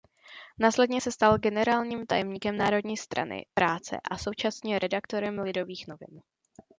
Následně se stal generálním tajemníkem Národní strany práce a současně redaktorem Lidových novin.